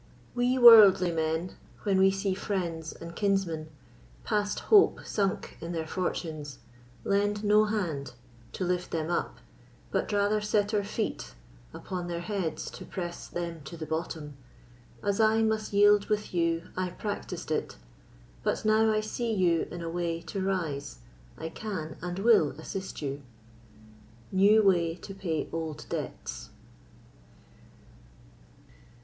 We worldly men, when we see friends and kinsmen Past hope sunk in their fortunes, lend no hand To lift them up, but rather set our feet Upon their heads to press them to the bottom, As I must yield with you I practised it; But now I see you in a way to rise, I can and will assist you. New Way to Pay Old Debts.